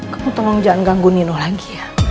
kamu tolong jangan ganggu nino lagi ya